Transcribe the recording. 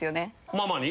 ママに？